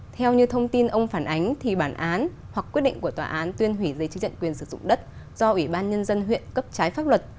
theo như thông tin ông phản ánh thì bản án hoặc quyết định của tòa án tuyên hủy dây chức nhận quyền sử dụng đất do ủy ban nhân dân huyện cấp trái pháp luật